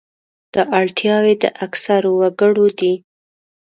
دا اړتیاوې د اکثرو وګړو دي.